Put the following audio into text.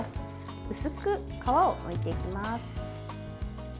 薄く皮をむいていきます。